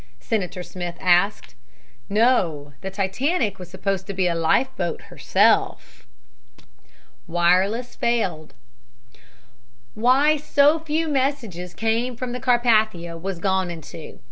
Senator Smith asked. "No. The Titanic was supposed to be a life boat herself." WIRELESS FAILED Why so few messages came from the Carpathia was gone into.